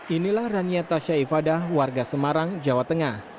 inilah rania tasha ifadah warga semarang jawa tengah